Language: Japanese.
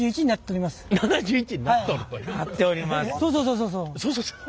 そうそうそうそうそう。